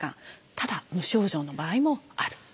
ただ無症状の場合もある。